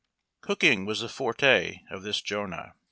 Cooking w^as the forte of this Jonah.